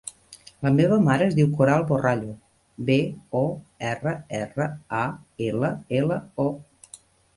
La meva mare es diu Coral Borrallo: be, o, erra, erra, a, ela, ela, o.